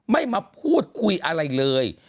ไม่มาพูดคุยอะไรเลย